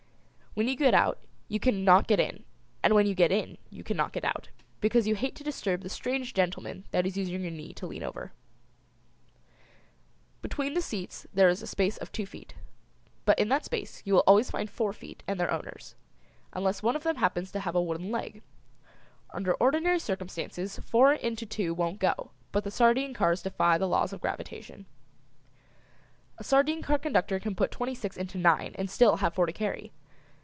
When you get out you cannot get in and when you get in you cannot get out because you hate to disturb the strange gentleman that is using your knee to lean over. Between the seats there is a space of two feet, but in that space you will always find four feet and their owners, unless one of them happens to have a wooden leg. Under ordinary circumstances four into two won't go, but the sardine cars defy the laws of gravitation. A sardine car conductor can put twenty six into nine and still have four to carry.